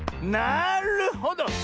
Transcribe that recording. なるほど！